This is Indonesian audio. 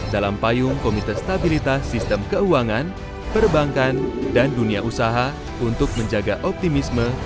dalam payung komite stabilitas sistem keuangan perbankan dan dunia usaha untuk menjaga optimisme